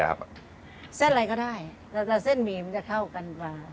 แต่เส้นหมีมันจะเข้ากันกัน